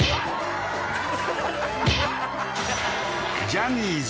ジャニーズ